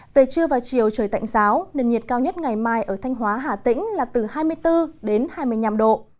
về trưa và chiều trời tạnh giáo nền nhiệt cao nhất ngày mai ở thanh hóa hà tĩnh là từ hai mươi bốn đến hai mươi năm độ